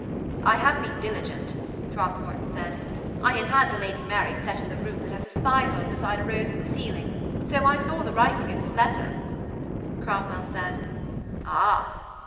'I have been diligent,' Throckmorton said. 'I had had the Lady Mary set in the room that has a spy hole beside a rose in the ceiling. So I saw the writing of this letter.' Cromwell said, 'Ah!'